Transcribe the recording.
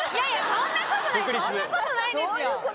そんなことないですよ！